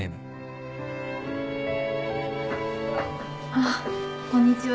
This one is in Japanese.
あっこんにちは。